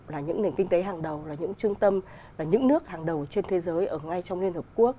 là những nền kinh tế hàng đầu là những trung tâm là những nước hàng đầu trên thế giới ở ngay trong liên hợp quốc